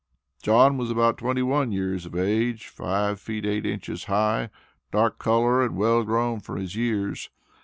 John was about twenty one years of age, five feet eight inches high, dark color, and well grown for his years.